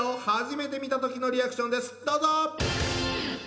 どうぞ！